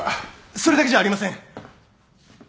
それだけじゃありません。